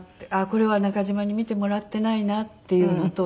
これは中嶋に見てもらってないなっていうのと。